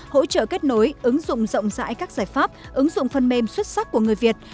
hỗ trợ kết nối ứng dụng rộng rãi các giải pháp ứng dụng phần mềm xuất sắc của người việt